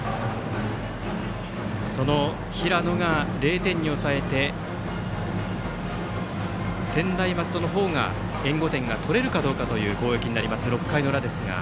その平野が０点に抑えて専大松戸の方が援護点が取れるかという攻撃になります、６回の裏。